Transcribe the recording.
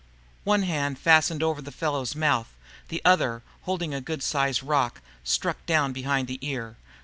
One hand fastened over the fellow's mouth. The other, holding a good sized rock, struck down behind the ear.